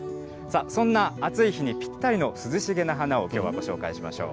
そんな暑い日にぴったりの涼しげな花をきょうはご紹介しましょう。